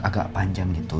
agak panjang gitu